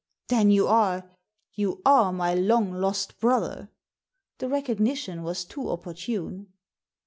"Then you are — you are my long lost brother." The recognition was too opportune.